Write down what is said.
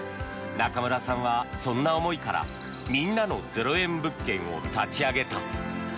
中村さんはそんな思いからみんなの０円物件を立ち上げた。